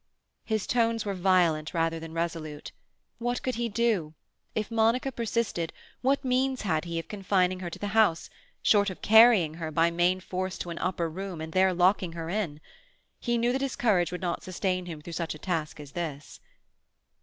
His tones were violent rather than resolute. What could he do? If Monica persisted, what means had he of confining her to the house—short of carrying her by main force to an upper room and there locking her in? He knew that his courage would not sustain him through such a task as this.